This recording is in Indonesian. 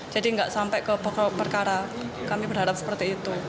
jadi tidak sampai ke pokok perkara kami berharap seperti itu